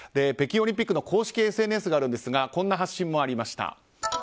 北京オリンピックの公式ＳＮＳがあるんですがこんな発信もありました。